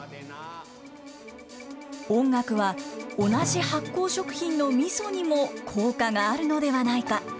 音楽は同じ発酵食品のみそにも効果があるのではないか。